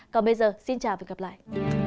còn bây giờ xin chào và gặp lại